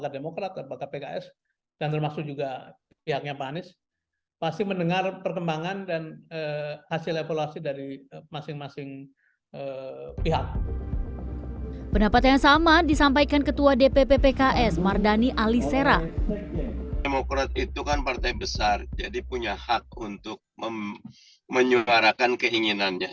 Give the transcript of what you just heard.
demokrat itu kan partai besar jadi punya hak untuk menyuarakan keinginannya